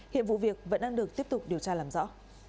hiện vụ việc vẫn đang được tiếp tục điều tra làm rõ